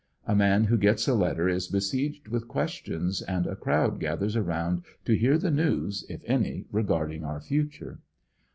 A man who gets a letter is besieged with questions^ and a crowd gathers around to learn the news, if any, regarding our future.